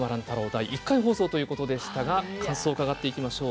第１回放送ということでしたが感想伺っていきましょう。